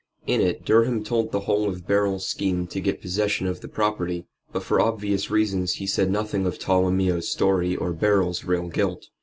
In it Durham told the whole of Beryl's scheme to get possession of the property. But for obvious reasons he said nothing of Tolomeo's story or Beryl's real guilt.